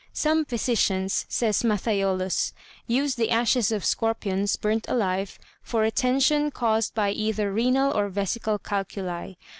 "Some physicians," says Matthiolus, "use the ashes of scorpions, burnt alive, for retention caused by either renal or vesical calculi.